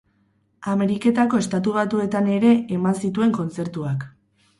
Ameriketako Estatu Batuetan ere eman zituen kontzertuak.